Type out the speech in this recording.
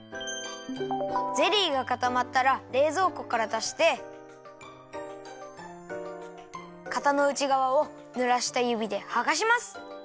ゼリーがかたまったられいぞうこからだしてかたのうちがわをぬらしたゆびではがします。